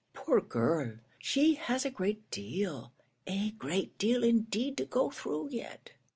"Poor girl; she has a great deal, a great deal, indeed, to go through yet."